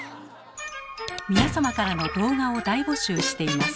皆様からの動画を大募集しています。